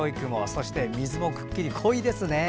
そして、水もくっきり濃いですね。